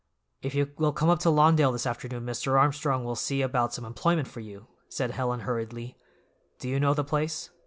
"If you will come up to Lawndale this afternoon Mr. Armstrong will see about some employment for you," said Helen hurriedly. "Do you know the place?